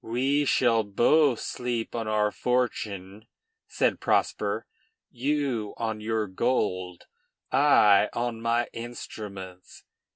"We shall both sleep on our fortune," said Prosper, "you, on your gold; I, on my instruments.